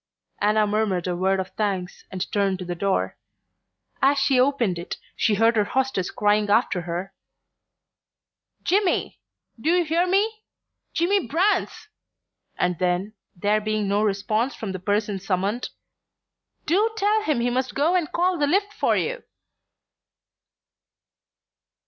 Anna murmured a word of thanks and turned to the door. As she opened it she heard her hostess crying after her: "Jimmy! Do you hear me? Jimmy BRANCE!" and then, there being no response from the person summoned: "DO tell him he must go and call the lift for you!"